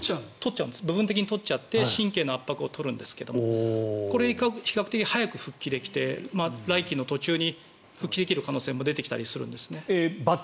部分的に取っちゃって神経の圧迫を取るんですがこれは比較的早く復帰できて来季の途中に復帰できる可能性も出てきたりするんですね？